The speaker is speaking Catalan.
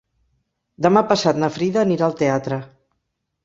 Demà passat na Frida anirà al teatre.